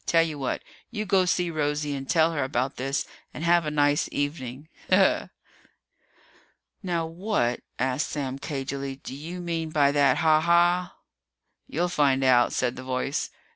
Tell you what you go see Rosie and tell her about this and have a nice evening. Ha ha!" "Now what," asked Sam cagily, "do you mean by that 'ha ha'?" "You'll find out," said the voice.